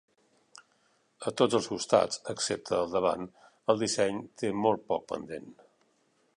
A tots els costats, excepte al davant, el disseny té molt poc pendent.